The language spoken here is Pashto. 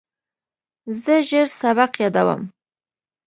زه ژر سبق یادوم.